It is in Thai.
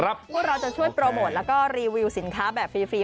พวกเราจะช่วยโปรโมทแล้วก็รีวิวสินค้าแบบฟรี